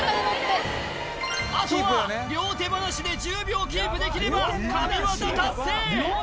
あとは両手放しで１０秒キープできれば神業達成！